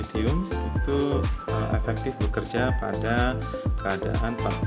jadi kita bisa mencharge sambil menggunakan smartphone tersebut